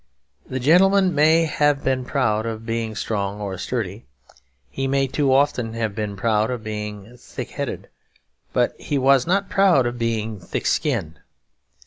The gentleman may have been proud of being strong or sturdy; he may too often have been proud of being thick headed; but he was not proud of being thick skinned.